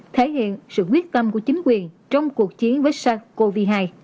thể hiện sự quyết tâm của chính quyền trong cuộc chiến với sars cov hai